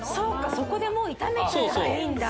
そこでもう炒めちゃえばいいんだ